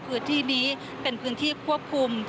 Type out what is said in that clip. พื้นที่นี้เป็นพื้นที่ควบคุม